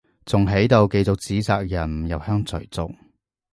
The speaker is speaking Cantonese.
仲喺度繼續指責人唔入鄉隨俗